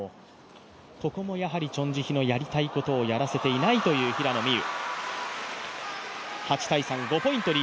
ここもチョン・ジヒのやりたいことをやらせていない平野美宇。